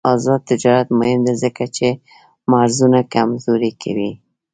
آزاد تجارت مهم دی ځکه چې مرزونه کمزوري کوي.